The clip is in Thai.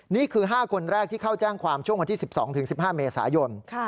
นี่คือ๕คนแรกที่เข้าแจ้งความช่วงวันที่๑๒๑๕เมษายน